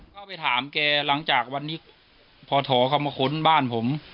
ก็ไปถามแกหลังจากวันนี้พอถอเขามาค้นบ้านผม